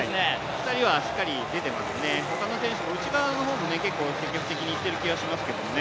２人はしっかり出てますね、他の選手も内側の方も結構積極的にいっているような気がしますけれどもね。